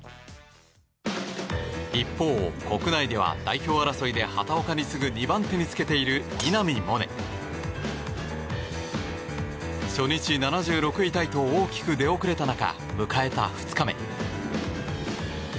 一方、国内では代表争いで畑岡に次ぐ、２番手につけている稲見萌寧。初日、７６位タイと大きく出遅れた中迎えた２日目。